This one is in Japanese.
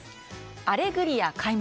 「アレグリア」開幕。